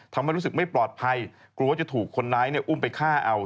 ทำให้รู้สึกไม่ปลอดภัยกลัวจะถูกคนร้ายอุ้มไปฆ่าเอา